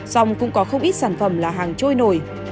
xong cũng có không ít sản phẩm là hàng trôi nổi